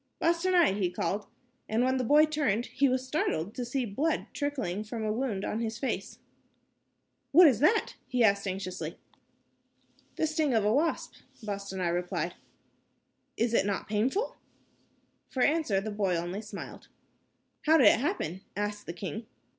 "Bostanai," he called, and when the boy turned, he was startled to see blood trickling from a wound on his face. "What is that?" he asked, anxiously. "The sting of a wasp," Bostanai replied. "Is it not painful?" For answer, the boy only smiled. "How did it happen?" asked the king.